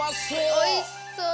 おいしそう！